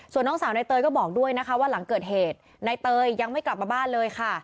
ส่วนน้องสาวในเตยก็บอกด้วยนะคะว่าหลังเกิดเหตุนายเตยยังไม่กลับมาบ้านเลยค่ะ